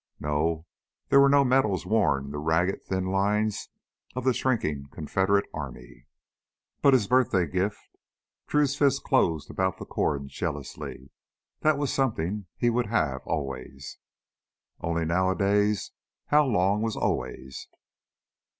No, there were no medals worn in the ragged, thin lines of the shrinking Confederate Army. But his birthday gift Drew's fist closed about the cord jealously that was something he would have, always. Only, nowadays, how long was "always"?